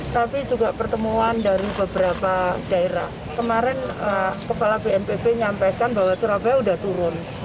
tapi juga pertemuan dari beberapa daerah kemarin kepala bnpb nyampaikan bahwa surabaya sudah turun